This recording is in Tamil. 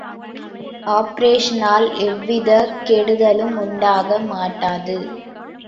ஆப்பரேஷனால் எவ்விதக் கெடுதலும் உண்டாக மாட்டாது.